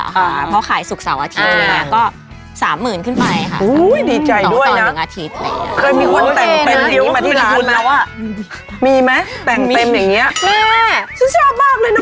ถ้าคู่ให้ควบหรือยังยังวะ